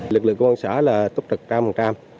lực lượng công an xã là tốt trực trăm phần trăm